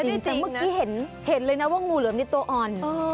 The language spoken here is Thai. เมื่อกี้เห็นเลยนะว่างูเหลือมนี่ตัวอ่อน